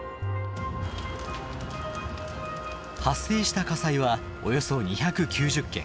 発生した火災はおよそ２９０件。